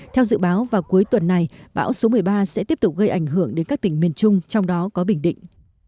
theo dự báo vào cuối tuần này bão số một mươi ba sẽ tiếp tục gây ảnh hưởng đến các tỉnh miền trung trong đó có bình định